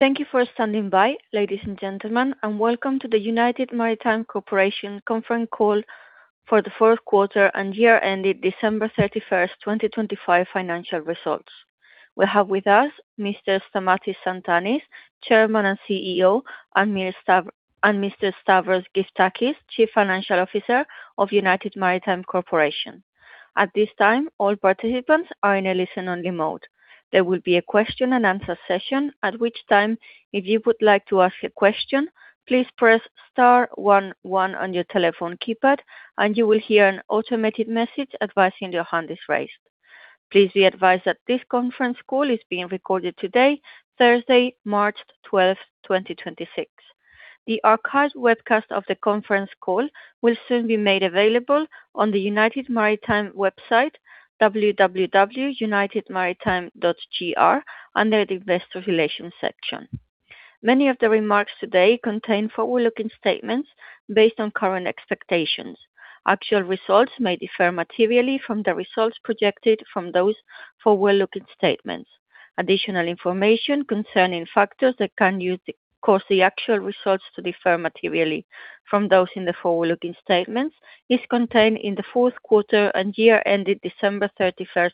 Thank you for standing by, ladies and gentlemen, and welcome to the United Maritime Corporation conference call for the fourth quarter and year-ended December 31, 2025 financial results. We have with us Mr. Stamatios Tsantanis, Chairman and CEO, and Mr. Stavros Gyftakis, Chief Financial Officer of United Maritime Corporation. At this time, all participants are in a listen-only mode. There will be a question and answer session. At which time, if you would like to ask a question, please press star one one on your telephone keypad, and you will hear an automated message advising your hand is raised. Please be advised that this conference call is being recorded today, Thursday, March 12, 2026. The archived webcast of the conference call will soon be made available on the United Maritime website, www.unitedmaritime.gr, under the investor relations section. Many of the remarks today contain forward-looking statements based on current expectations. Actual results may differ materially from the results projected from those forward-looking statements. Additional information concerning factors that can cause the actual results to differ materially from those in the forward-looking statements is contained in the fourth quarter and year-ended December 31,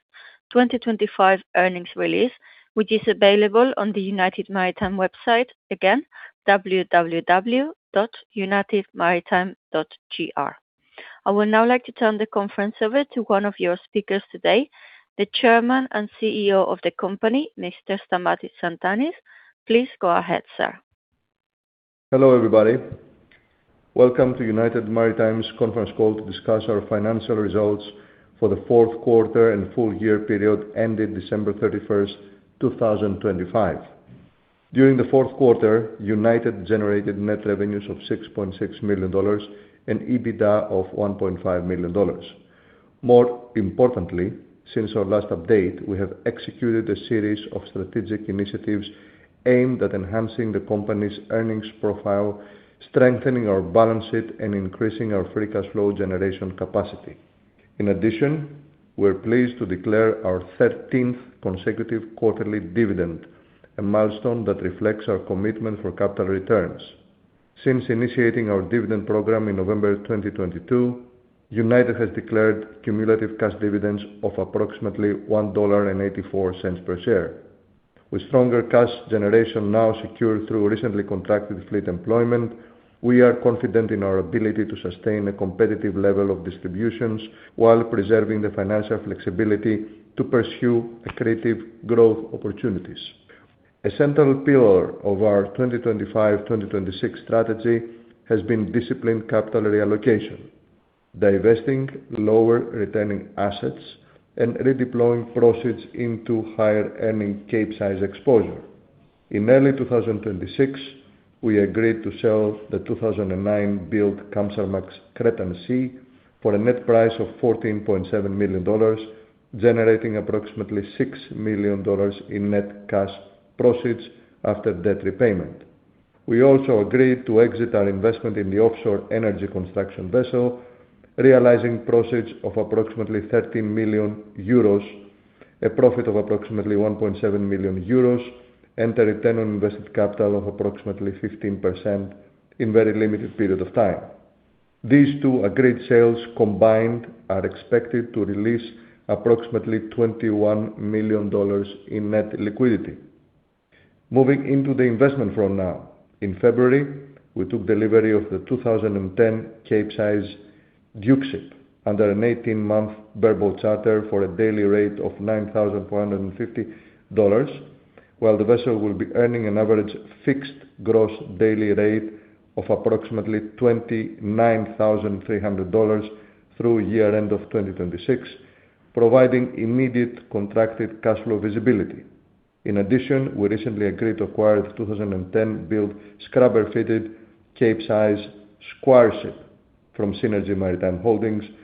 2025 earnings release, which is available on the United Maritime website, again, www.unitedmaritime.gr. I would now like to turn the conference over to one of your speakers today, the Chairman and CEO of the company, Mr. Stamatios Tsantanis. Please go ahead, sir. Hello, everybody. Welcome to United Maritime's conference call to discuss our financial results for the fourth quarter and full year period ended December 31, 2025. During the fourth quarter, United generated net revenues of $6.6 million and EBITDA of $1.5 million. More importantly, since our last update, we have executed a series of strategic initiatives aimed at enhancing the company's earnings profile, strengthening our balance sheet, and increasing our free cash flow generation capacity. In addition, we're pleased to declare our thirteenth consecutive quarterly dividend, a milestone that reflects our commitment for capital returns. Since initiating our dividend program in November 2022, United has declared cumulative cash dividends of approximately $1.84 per share. With stronger cash generation now secured through recently contracted fleet employment, we are confident in our ability to sustain a competitive level of distributions while preserving the financial flexibility to pursue accretive growth opportunities. A central pillar of our 2025/2026 strategy has been disciplined capital reallocation, divesting lower returning assets and redeploying proceeds into higher-earning Capesize exposure. In early 2026, we agreed to sell the 2009-built Kamsarmax Cretansea for a net price of $14.7 million, generating approximately $6 million in net cash proceeds after debt repayment. We also agreed to exit our investment in the Energy Construction Vessel, realizing proceeds of approximately 30 million euros, a profit of approximately 1.7 million euros, and a return on invested capital of approximately 15% in very limited period of time. These two agreed sales combined are expected to release approximately $21 million in net liquidity. Moving into the investment front now. In February, we took delivery of the 2010 Capesize Dukeship under an 18-month bareboat charter for a daily rate of $9,450. While the vessel will be earning an average fixed gross daily rate of approximately $29,300 through year-end of 2026, providing immediate contracted cash flow visibility. In addition, we recently agreed to acquire the 2010-built scrubber-fitted Capesize Squireship from Seanergy Maritime Holdings Corp.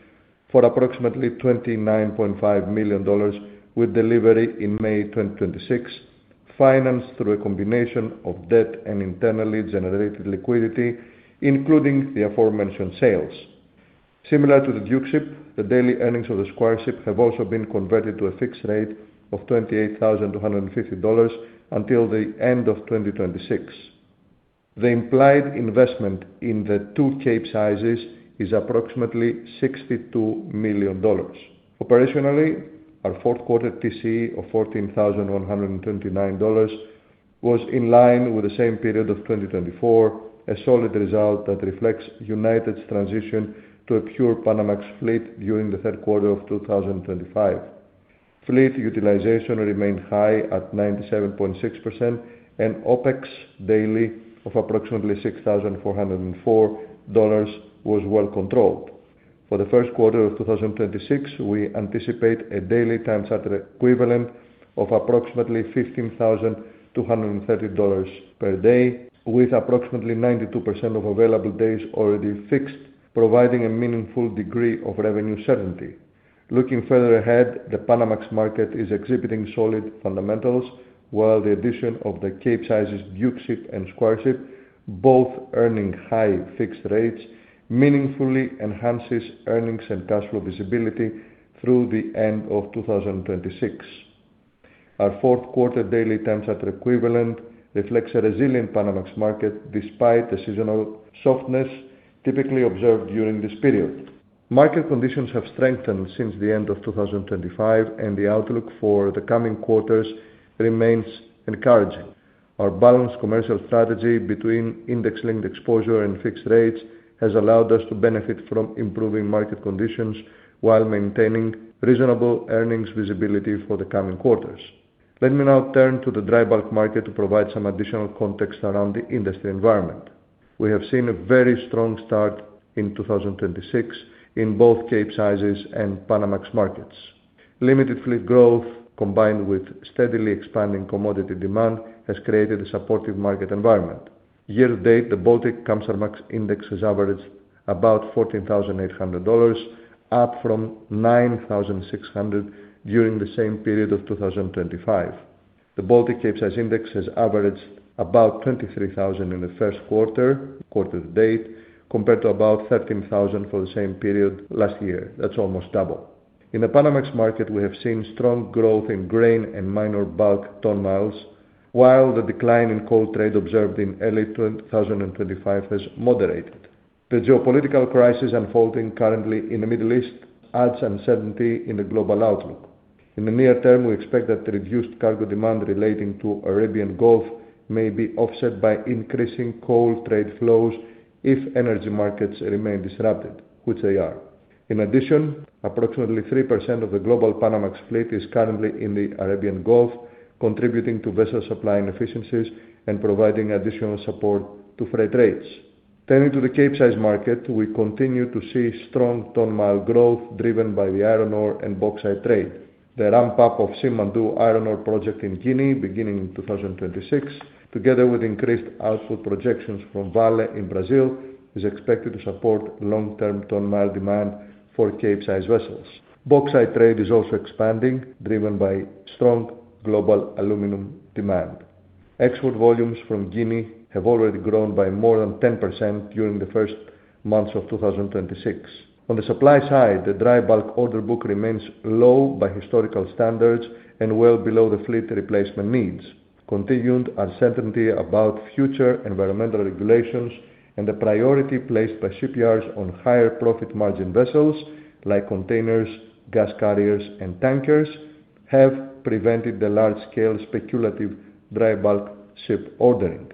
for approximately $29.5 million with delivery in May 2026, financed through a combination of debt and internally generated liquidity, including the aforementioned sales. Similar to the Dukeship, the daily earnings of the Squireship have also been converted to a fixed rate of $28,250 until the end of 2026. The implied investment in the two Capesizes is approximately $62 million. Operationally, our fourth quarter TCE of $14,129 was in line with the same period of 2024, a solid result that reflects United's transition to a pure Panamax fleet during the third quarter of 2025. Fleet utilization remained high at 97.6%, and OPEX daily of approximately $6,404 was well controlled. For the first quarter of 2026, we anticipate a daily time charter equivalent of approximately $15,230 per day, with approximately 92% of available days already fixed, providing a meaningful degree of revenue certainty. Looking further ahead, the Panamax market is exhibiting solid fundamentals, while the addition of the Capesizes Dukeship and Squireship, both earning high fixed rates, meaningfully enhances earnings and cash flow visibility through the end of 2026. Our fourth quarter daily time charter equivalent reflects a resilient Panamax market despite the seasonal softness typically observed during this period. Market conditions have strengthened since the end of 2025, and the outlook for the coming quarters remains encouraging. Our balanced commercial strategy between index-linked exposure and fixed rates has allowed us to benefit from improving market conditions while maintaining reasonable earnings visibility for the coming quarters. Let me now turn to the dry bulk market to provide some additional context around the industry environment. We have seen a very strong start in 2026 in both Capesize and Panamax markets. Limited fleet growth, combined with steadily expanding commodity demand, has created a supportive market environment. Year to date, the Baltic Kamsarmax Index has averaged about $14,800, up from $9,600 during the same period of 2025. The Baltic Capesize Index has averaged about $23,000 in the first quarter to date, compared to about $13,000 for the same period last year. That's almost double. In the Panamax market, we have seen strong growth in grain and minor bulk ton-miles, while the decline in coal trade observed in early 2025 has moderated. The geopolitical crisis unfolding currently in the Middle East adds uncertainty in the global outlook. In the near term, we expect that the reduced cargo demand relating to Arabian Gulf may be offset by increasing coal trade flows if energy markets remain disrupted, which they are. In addition, approximately 3% of the global Panamax fleet is currently in the Arabian Gulf, contributing to vessel supply inefficiencies and providing additional support to freight rates. Turning to the Capesize market, we continue to see strong ton-mile growth driven by the iron ore and bauxite trade. The ramp-up of Simandou iron ore project in Guinea beginning in 2026, together with increased output projections from Vale in Brazil, is expected to support long-term ton-mile demand for Capesize vessels. Bauxite trade is also expanding, driven by strong global aluminum demand. Export volumes from Guinea have already grown by more than 10% during the first months of 2026. On the supply side, the dry bulk order book remains low by historical standards and well below the fleet replacement needs. Continued uncertainty about future environmental regulations and the priority placed by shipyards on higher profit margin vessels like containers, gas carriers, and tankers have prevented the large-scale speculative dry bulk ship ordering.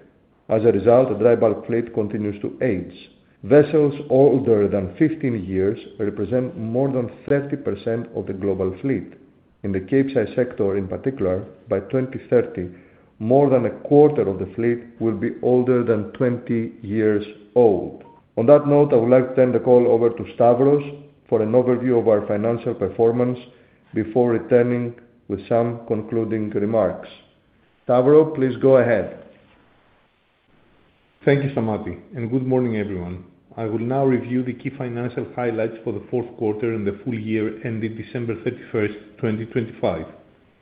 As a result, the dry bulk fleet continues to age. Vessels older than 15 years represent more than 30% of the global fleet. In the Capesize sector, in particular, by 2030, more than a quarter of the fleet will be older than 20 years old. On that note, I would like to turn the call over to Stavros for an overview of our financial performance before returning with some concluding remarks. Stavros, please go ahead. Thank you, Stamatios, and good morning, everyone. I will now review the key financial highlights for the fourth quarter and the full year ending December 31, 2025.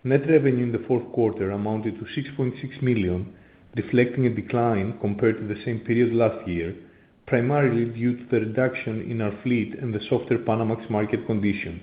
Net revenue in the fourth quarter amounted to $6.6 million, reflecting a decline compared to the same period last year, primarily due to the reduction in our fleet and the softer Panamax market conditions.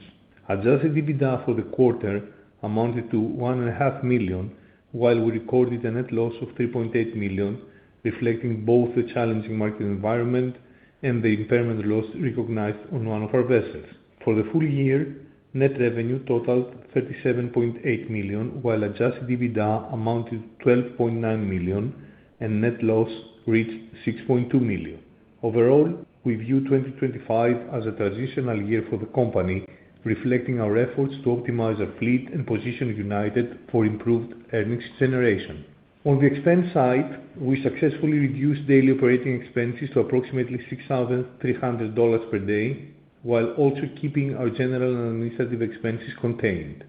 Adjusted EBITDA for the quarter amounted to $1.5 million, while we recorded a net loss of $3.8 million, reflecting both the challenging market environment and the impairment loss recognized on one of our vessels. For the full year, net revenue totaled $37.8 million, while adjusted EBITDA amounted $12.9 million, and net loss reached $6.2 million. Overall, we view 2025 as a transitional year for the company, reflecting our efforts to optimize our fleet and position United for improved earnings generation. On the expense side, we successfully reduced daily operating expenses to approximately $6,300 per day, while also keeping our general and administrative expenses contained.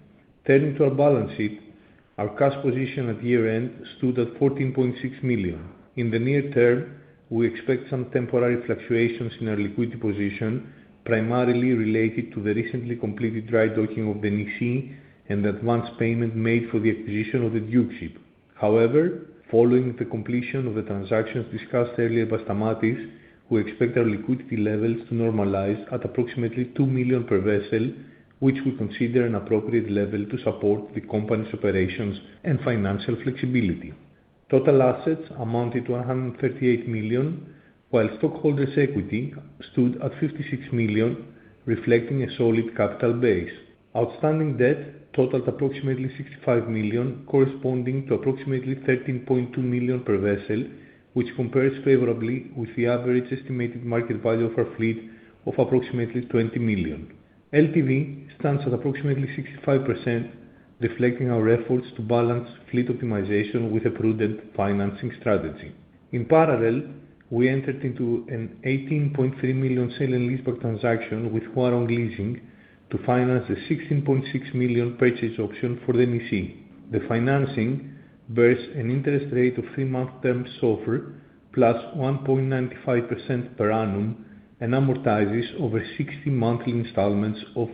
Turning to our balance sheet, our cash position at year-end stood at $14.6 million. In the near term, we expect some temporary fluctuations in our liquidity position, primarily related to the recently completed dry docking of the Nisshin and the advance payment made for the acquisition of the Dukeship. However, following the completion of the transactions discussed earlier by Stamatios, we expect our liquidity levels to normalize at approximately $2 million per vessel, which we consider an appropriate level to support the company's operations and financial flexibility. Total assets amounted to $138 million, while stockholders' equity stood at $56 million, reflecting a solid capital base. Outstanding debt totaled approximately $65 million, corresponding to approximately $13.2 million per vessel, which compares favorably with the average estimated market value of our fleet of approximately $20 million. LTV stands at approximately 65%, reflecting our efforts to balance fleet optimization with a prudent financing strategy. In parallel, we entered into an $18.3 million sale and leaseback transaction with Huarong Leasing to finance a $16.6 million purchase option for the Nisshin. The financing bears an interest rate of three-month term SOFR plus 1.95% per annum and amortizes over 60 monthly installments of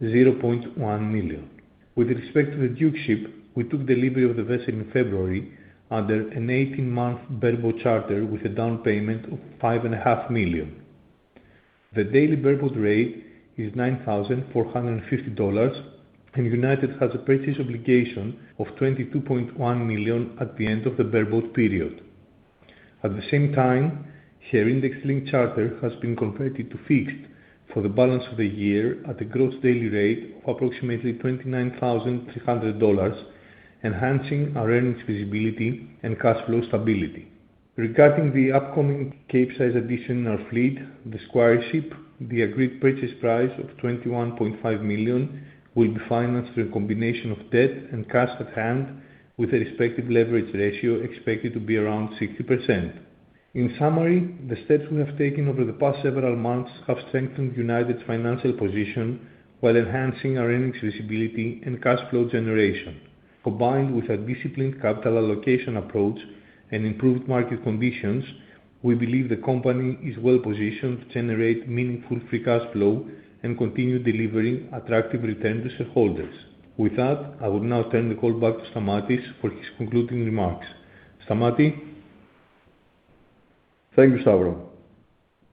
$0.1 million. With respect to the Dukeship, we took delivery of the vessel in February under an 18-month bareboat charter with a down payment of $5.5 million. The daily bareboat rate is $9,450, and United has a purchase obligation of $22.1 million at the end of the bareboat period. At the same time, her index-linked charter has been converted to fixed for the balance of the year at a gross daily rate of approximately $29,300, enhancing our earnings visibility and cash flow stability. Regarding the upcoming Capesize addition in our fleet, the Squireship, the agreed purchase price of $21.5 million will be financed through a combination of debt and cash at hand with a respective leverage ratio expected to be around 60%. In summary, the steps we have taken over the past several months have strengthened United's financial position while enhancing our earnings visibility and cash flow generation. Combined with our disciplined capital allocation approach and improved market conditions, we believe the company is well-positioned to generate meaningful free cash flow and continue delivering attractive return to shareholders. With that, I will now turn the call back to Stamatios for his concluding remarks. Stamatis? Thank you, Stavros.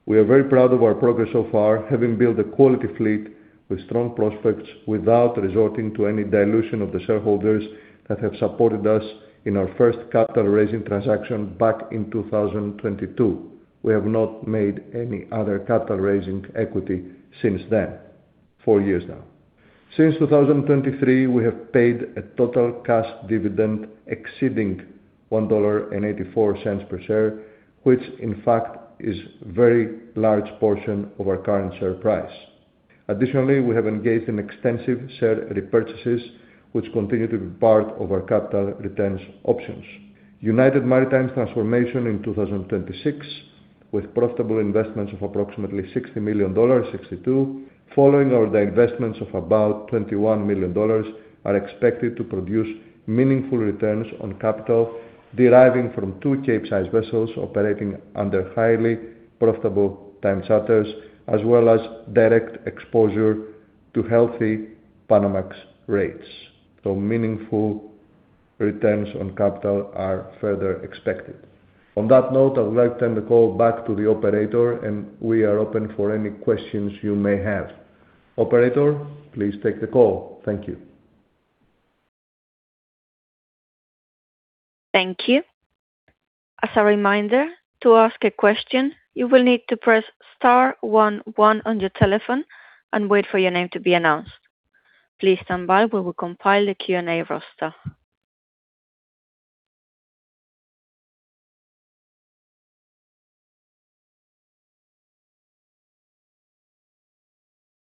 We are very proud of our progress so far, having built a quality fleet with strong prospects without resorting to any dilution of the shareholders that have supported us in our first capital raising transaction back in 2022. We have not made any other capital raising equity since then, four years now. Since 2023, we have paid a total cash dividend exceeding $1.84 per share, which in fact is very large portion of our current share price. Additionally, we have engaged in extensive share repurchases, which continue to be part of our capital returns options. United Maritime's transformation in 2026, with profitable investments of approximately $62 million following our divestments of about $21 million are expected to produce meaningful returns on capital deriving from 2 Capesize vessels operating under highly profitable time charters, as well as direct exposure to healthy Panamax rates. Meaningful returns on capital are further expected. On that note, I would like to turn the call back to the operator, and we are open for any questions you may have. Operator, please take the call. Thank you. Thank you. As a reminder, to ask a question, you will need to press star one one on your telephone and wait for your name to be announced. Please stand by while we compile the Q&A roster.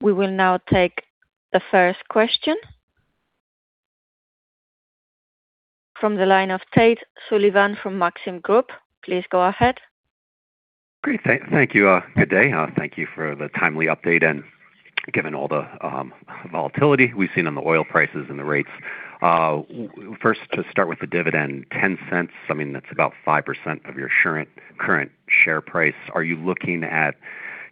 We will now take the first question. From the line of Tate Sullivan from Maxim Group. Please go ahead. Great. Thank you. Good day. Thank you for the timely update and given all the volatility we've seen on the oil prices and the rates. First, to start with the dividend, $0.10, I mean, that's about 5% of your current share price. Are you looking at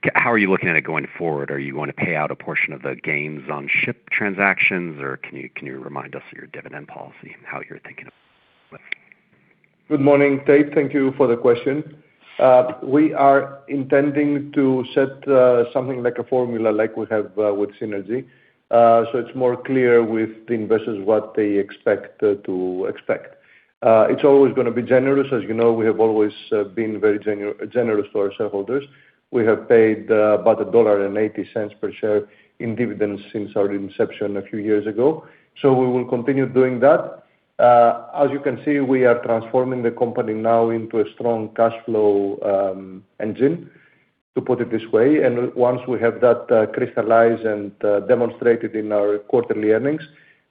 it going forward? Are you going to pay out a portion of the gains on ship transactions, or can you remind us of your dividend policy and how you're thinking of it? Good morning, Tate. Thank you for the question. We are intending to set something like a formula like we have with Seanergy. It's more clear with the investors what they expect to expect. It's always gonna be generous. As you know, we have always been very generous to our shareholders. We have paid about $1.80 per share in dividends since our inception a few years ago. We will continue doing that. As you can see, we are transforming the company now into a strong cash flow engine, to put it this way. Once we have that crystallized and demonstrated in our quarterly earnings,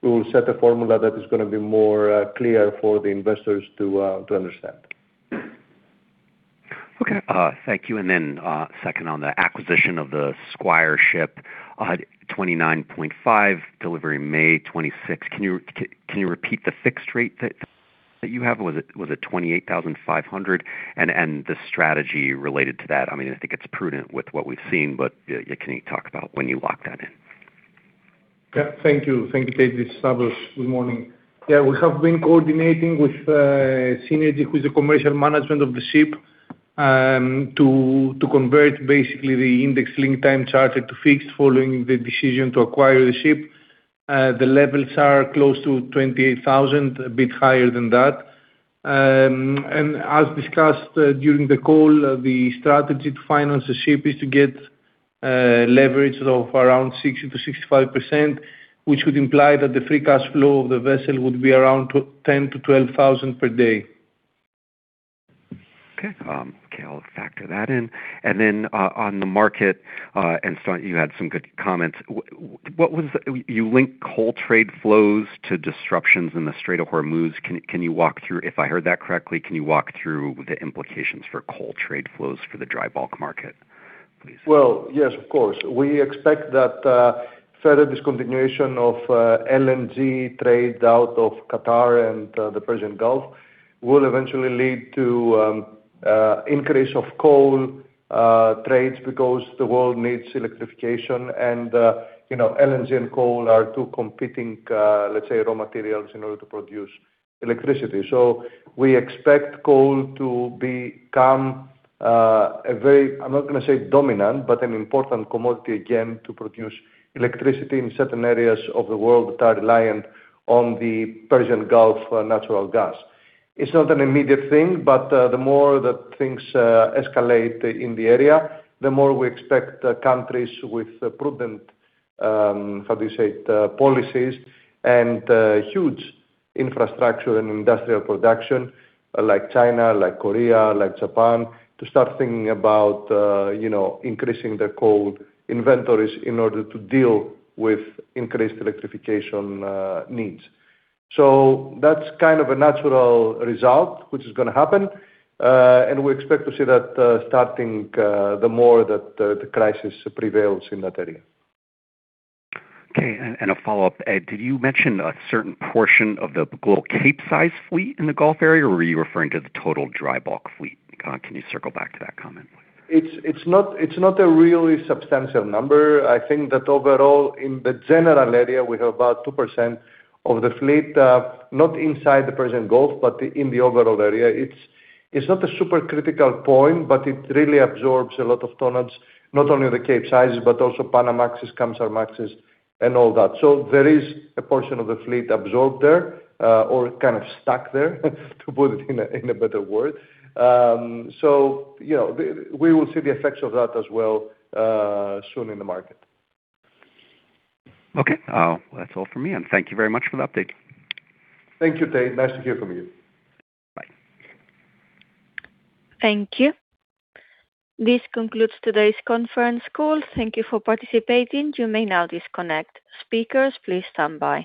we will set a formula that is gonna be more clear for the investors to understand. Okay. Thank you. Second on the acquisition of the Squireship, $29.5, delivery May 2026. Can you repeat the fixed rate that you have? Was it $28,500? The strategy related to that, I mean, I think it's prudent with what we've seen, but yeah, can you talk about when you lock that in? Yeah, thank you. Thank you, Tate. This is Stavros. Good morning. Yeah, we have been coordinating with Seanergy, who's the commercial management of the ship, to convert basically the index-linked time charter to fixed following the decision to acquire the ship. The levels are close to $28,000, a bit higher than that. As discussed during the call, the strategy to finance the ship is to get leverage of around 60%-65%, which would imply that the free cash flow of the vessel would be around $10,000-$12,000 per day. Okay. Okay, I'll factor that in. Then, on the market, and Stam, you had some good comments. You linked coal trade flows to disruptions in the Strait of Hormuz. Can you walk through, if I heard that correctly, the implications for coal trade flows for the dry bulk market? Well, yes, of course. We expect that further discontinuation of LNG trade out of Qatar and the Persian Gulf will eventually lead to increase of coal trades because the world needs electrification and you know, LNG and coal are two competing, let's say, raw materials in order to produce electricity. We expect coal to become a very, I'm not gonna say dominant, but an important commodity again, to produce electricity in certain areas of the world that are reliant on the Persian Gulf natural gas. It's not an immediate thing, but the more that things escalate in the area, the more we expect the countries with prudent, how do you say it, policies and huge infrastructure and industrial production like China, like Korea, like Japan, to start thinking about, you know, increasing their coal inventories in order to deal with increased electrification needs. That's kind of a natural result which is gonna happen. We expect to see that starting the more that the crisis prevails in that area. Okay. A follow-up. Did you mention a certain portion of the global Capesize fleet in the Gulf area, or were you referring to the total dry bulk fleet? Can you circle back to that comment? It's not a really substantial number. I think that overall in the general area, we have about 2% of the fleet, not inside the Persian Gulf, but in the overall area. It's not a super critical point, but it really absorbs a lot of tonnage, not only the Capesize, but also Panamax, Kamsarmaxes and all that. There is a portion of the fleet absorbed there, or kind of stuck there to put it in a better word. You know, we will see the effects of that as well, soon in the market. Okay. That's all for me, and thank you very much for the update. Thank you, Tate. Nice to hear from you. Bye. Thank you. This concludes today's conference call. Thank you for participating. You may now disconnect. Speakers, please stand by.